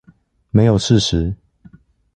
沒有事實